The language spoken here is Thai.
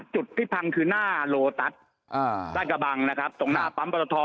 จุดที่พังคือหน้าโลตัสราชกระบังนะครับตรงหน้าปั๊มปรตท